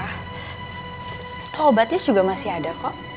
itu obatnya juga masih ada